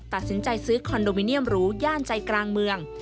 ตัดสินใจซื้อคอนโดมิเนียมหรูย่านใจกลางเมือง